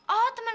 oh temen aku